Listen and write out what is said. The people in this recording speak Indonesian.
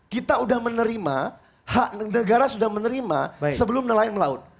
kita sudah menerima hak negara sudah menerima sebelum nelayan melaut